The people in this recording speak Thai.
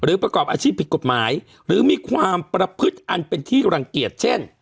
ประกอบอาชีพผิดกฎหมายหรือมีความประพฤติอันเป็นที่รังเกียจเช่น